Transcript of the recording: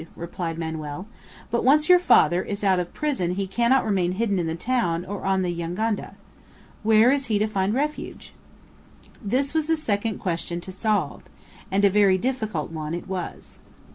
replied Manoel. "But once your father is out of prison he cannot remain hidden in the town or on the jangada. Where is he to find refuge?" This was the second question to solve: and a very difficult one it was.